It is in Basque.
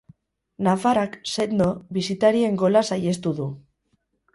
Nafarrak, sendo, bisitarien gola saihestu du.